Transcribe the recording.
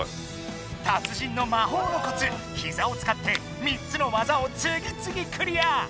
達人の魔法のコツ「ひざ」を使って３つの技をつぎつぎクリア！